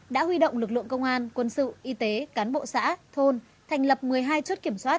đã huy động lực lượng công an quân sự y tế cán bộ xã thôn thành lập một mươi hai chốt kiểm soát